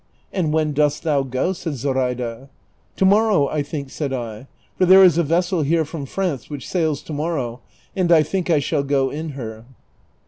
•' And when dost thou go ?" said Zoraida. "To morrow, I think," said I, "for there is a vessel here from France which sails to morrow, and I think 1 shall go in her."